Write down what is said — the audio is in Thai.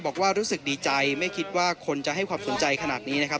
บอกว่ารู้สึกดีใจไม่คิดว่าคนจะให้ความสนใจขนาดนี้นะครับ